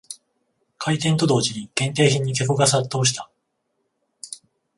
開店と同時に限定品に客が殺到した